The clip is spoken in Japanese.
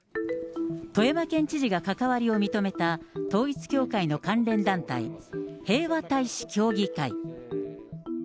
富山県知事が関わりを認めた、統一教会の関連団体、平和大使協議会。